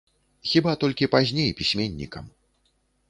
Хіба толькі пазней, пісьменнікам.